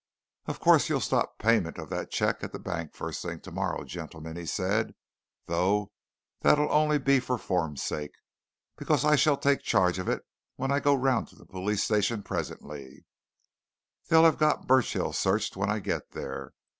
"Of course, you'll stop payment of that cheque at the bank first thing tomorrow, gentlemen," he said. "Though that'll only be for form's sake, because I shall take charge of it when I go round to the police station presently they'll have got Burchill searched when I get there.